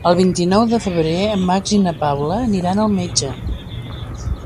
El vint-i-nou de febrer en Max i na Paula aniran al metge.